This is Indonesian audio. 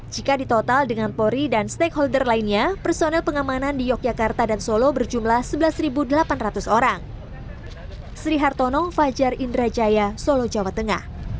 jika ditotal dengan polri dan stakeholder lainnya personel pengamanan di yogyakarta dan solo berjumlah sebelas delapan ratus orang